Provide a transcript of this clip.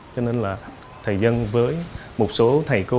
cho nên là thầy dân với một số thầy cô